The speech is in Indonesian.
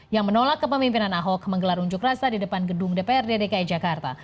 yang menolak kepemimpinan ahok menggelar unjuk rasa di depan gedung dprd dki jakarta